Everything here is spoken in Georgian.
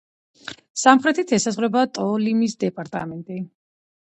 სამხრეთით ესაზღვრება ტოლიმის დეპარტამენტი.